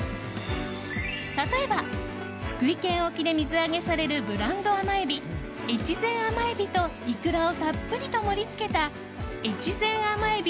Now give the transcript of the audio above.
例えば福井県沖で水揚げされるブランド甘エビ、越前甘エビとイクラをたっぷりと盛り付けた越前甘エビ